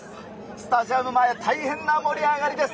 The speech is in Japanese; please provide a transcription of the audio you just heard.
スタジアム前、大変なもり上がりです。